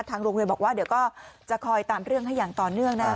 โรงเรียนบอกว่าเดี๋ยวก็จะคอยตามเรื่องให้อย่างต่อเนื่องนะ